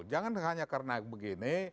jangan hanya karena begini